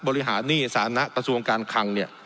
บริหารหนี้ศาลณะตระสูงการคัง